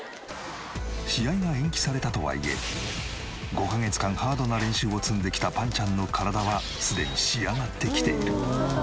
試合が延期されたとはいえ５カ月間ハードな練習を積んできたぱんちゃんの体はすでに仕上がってきている。